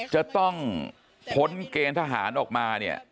จะต้องพ้นเกณฑ์ทหารออกมาเนี่ย